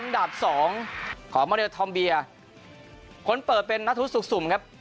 ๓ดับ๒ของมรทอมเบียคนเปิดเป็นนัทฤษฐุกษุมครับ